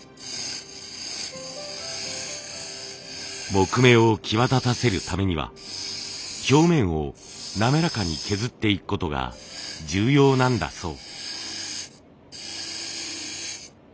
木目を際立たせるためには表面を滑らかに削っていくことが重要なんだそう。